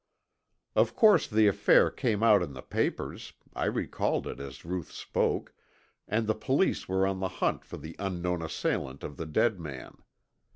Of course the affair came out in the papers, I recalled it as Ruth spoke, and the police were on the hunt for the unknown assailant of the dead man.